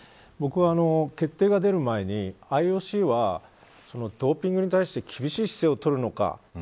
僕は決定が出る前にＩＯＣはドーピングに対して厳しい姿勢を取るのか。